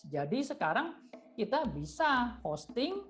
jadi sekarang kita bisa hosting